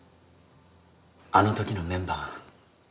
あの時のメンバー